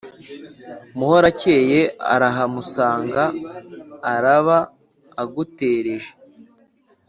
muhorakeye urahamusanga araba agutereje